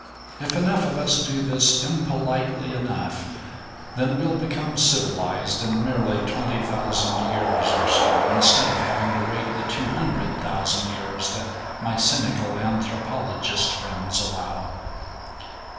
If enough of us do this impolitely enough, then we'll become civilized in merely twenty thousand years or so, instead of having to wait the two hundred thousand years that my cynical anthropologist friends allow.